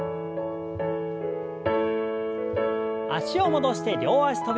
脚を戻して両脚跳び。